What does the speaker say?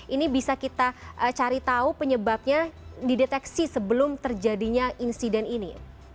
ini bisa kita cari tahu penyebabnya dideteksi sebelum terjadinya insiden ini